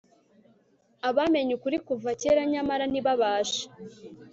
Abamenye ukuri kuva kera nyamara ntibabashe